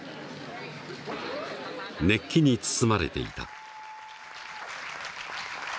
熱気に包まれていた。